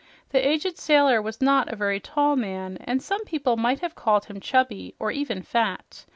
The aged sailor was not a very tall man, and some people might have called him chubby, or even fat.